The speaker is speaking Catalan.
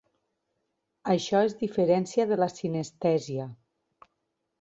Això es diferencia de la sinestèsia.